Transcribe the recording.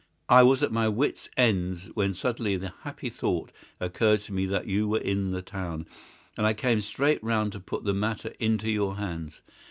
I was at my wits' ends, when suddenly the happy thought occurred to me that you were in the town, and I came straight round to put the matter into your hands.